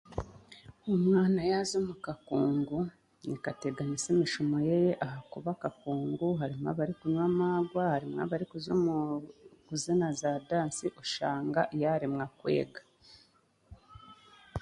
Omwana yaaza omu kakungu nikateganisa emishomo yeeye ahakuba akakungu harimu abarikunywa amagwa harimu abarikuza omu kuzina za dansi oshanga yaareemwa kwega